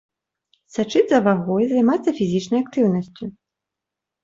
Сачыць за вагой, займацца фізічнай актыўнасцю.